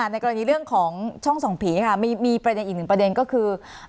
ในกรณีเรื่องของช่องส่องผีค่ะมีประเด็นอีกหนึ่งประเด็นก็คือ